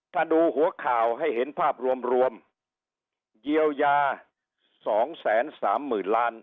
ถ้าดูหัวข่าวให้เห็นภาพรวมเยียวยา๒๓๐๐๐ล้าน